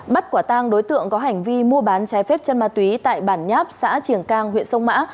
bắt quả tang đối tượng có hành vi mua bán trái phép chân ma túy tại bản nháp xã triển cang huyện sông mã